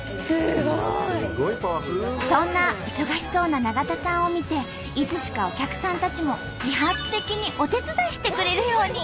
そんな忙しそうな永田さんを見ていつしかお客さんたちも自発的にお手伝いしてくれるように。